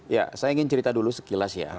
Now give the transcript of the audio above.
ya saya ingin cerita dulu sekilas ya